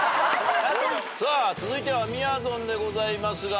さあ続いてはみやぞんでございますが。